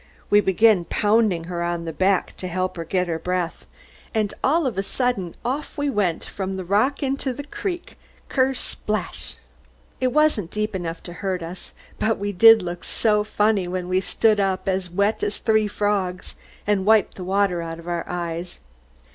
We began pounding her on the back to help her get her breath, and all of a sudden off we went from the rock into the creek kersplash! It wasn't deep enough to hurt us, but we did look so funny when we stood up as wet as three frogs, and wiped the water out of our eyes.